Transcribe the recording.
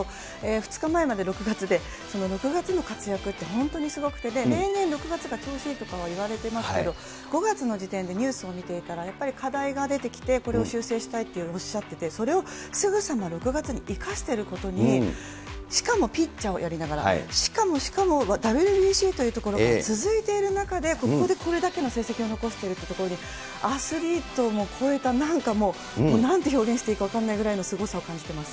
２日前まで６月で、その６月の活躍って、本当にすごくて、例年６月が調子がいいとかいわれてますけど、５月の時点でニュースを見ていたら、やっぱり課題が出てきて、これを修正したいとおっしゃってて、それをすぐさま６月に生かしてることに、しかもピッチャーをやりながら、しかもしかも、ＷＢＣというところから続いている中で、これだけの成績を残しているっていうところに、アスリートも超えた、なんかもう、なんて表現していいか分かんないくらいのすごさを感じてます。